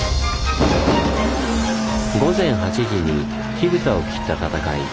午前８時に火ぶたを切った戦い。